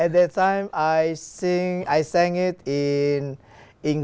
để hỏi về cộng đồng